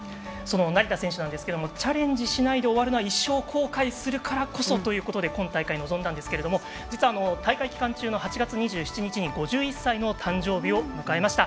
成田選手ですがチャレンジしないで終わるのは一生後悔するからということで今大会臨んだんですけど大会期間中の８月２７日に５１歳の誕生日を迎えました。